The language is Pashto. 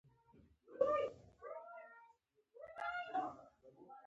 تاریخ د نظم د دوام لپاره لیکل کېږي.